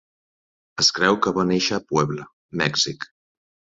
Es creu que va néixer a Puebla (Mèxic).